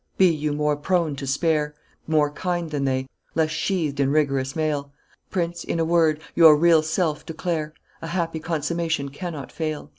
Be you more prone to spare, More kind than they; less sheathed in rigorous mail; Prince, in a word, your real self declare A happy consummation cannot fail."